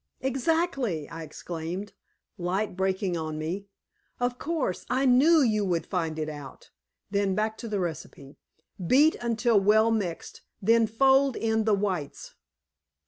"Exactly!" I exclaimed, light breaking on me. "Of course. I KNEW you would find it out." Then back to the recipe "beat until well mixed; then fold in the whites."